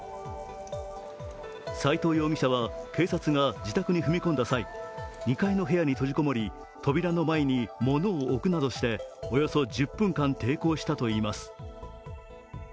斉藤容疑者は警察が自宅に踏み込んだ際、２階の部屋に閉じこもり扉の前に物を置くなどしておよそ１０分間抵抗したといいます。